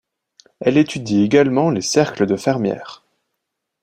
Elle étudie également les cercles de fermières.